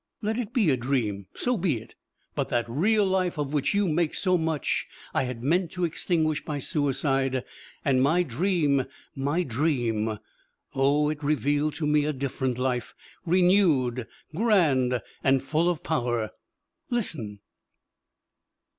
Let it be a dream, so be it, but that real life of which you make so much I had meant to extinguish by suicide, and my dream, my dream oh, it revealed to me a different life, renewed, grand and full of power! Listen.